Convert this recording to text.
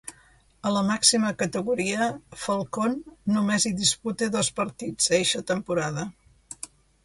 A la màxima categoria, Falcón només hi disputa dos partits eixa temporada.